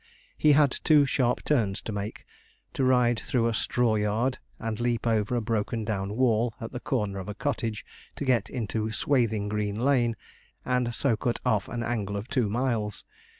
He had two sharp turns to make to ride through a straw yard, and leap over a broken down wall at the corner of a cottage to get into Swaithing Green Lane, and so cut off an angle of two miles.